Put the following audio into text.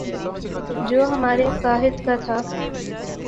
جو ہمارے قاہد کا تھا